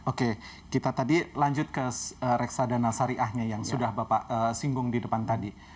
oke kita tadi lanjut ke reksadana syariahnya yang sudah bapak singgung di depan tadi